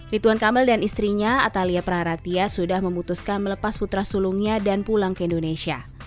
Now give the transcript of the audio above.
rituan kamil dan istrinya atalia praratia sudah memutuskan melepas putra sulungnya dan pulang ke indonesia